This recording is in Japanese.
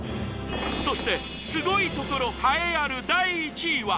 そしてすごいところ栄えある第１位は！